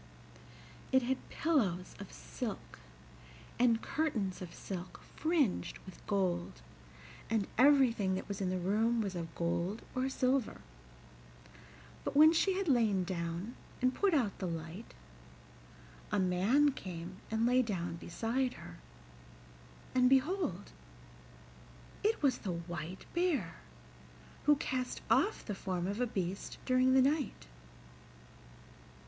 It had pillows of silk, and curtains of silk fringed with gold, and everything that was in the room was of gold or silver, but when she had lain down and put out the light a man came and lay down beside her, and behold it was the White Bear, who cast off the form of a beast during the night.